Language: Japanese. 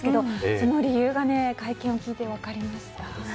その理由が会見を聞いて分かりました。